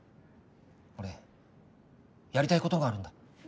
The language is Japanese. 俺やりたいことがあるんだ。